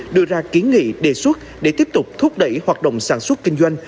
đưa ra kiến nghị đề xuất để tiếp tục thúc đẩy hoạt động sản xuất kinh doanh